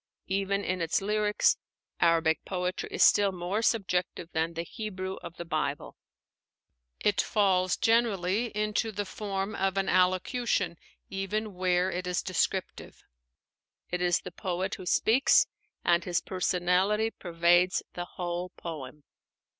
Even in its lyrics, Arabic poetry is still more subjective than the Hebrew of the Bible. It falls generally into the form of an allocution, even where it is descriptive. It is the poet who speaks, and his personality pervades the whole poem.